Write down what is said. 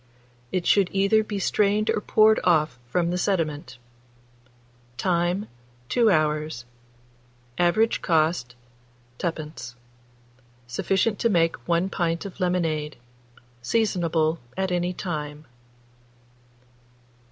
It should either be strained or poured off from the sediment. Time. 2 hours. Average cost, 2d. Sufficient to make 1 pint of lemonade. Seasonable at any time.